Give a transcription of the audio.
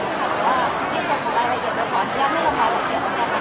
พี่หงข์ก็ยอมให้เล่าแล้วเพจว่าถ้าอยากดูว่า